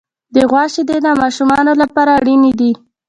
د غوا شیدې د ماشومانو لپاره اړینې دي.